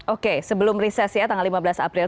oke sebelum riset ya tanggal lima belas april